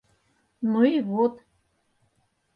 Ну и вот...